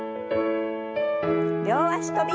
両脚跳び。